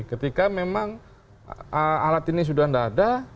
ketika memang alat ini sudah tidak ada